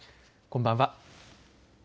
こんばんは。